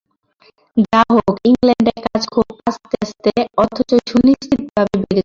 যা হোক ইংলণ্ডে কাজ খুব আস্তে আস্তে অথচ সুনিশ্চিতভাবে বেড়ে চলেছে।